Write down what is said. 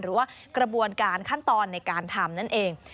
หรือว่ากระบวนการขั้นตอนในการทำนั่นเอง